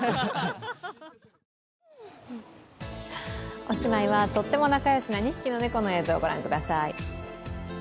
おしまいは、とっても仲良しな２匹の猫の映像をご覧ください。